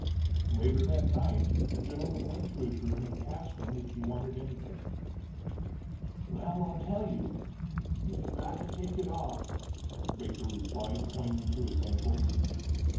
Later that night the gentleman went to his room and asked him if he wanted anything. "Well, I'll tell you. You forgot to take it off," Baker replied, pointing to his ankles.